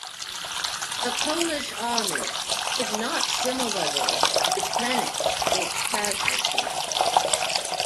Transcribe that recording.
The Polish Army could not similarly replenish its casualties.